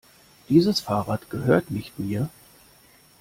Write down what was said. Dieses Fahrrad gehört nicht mir.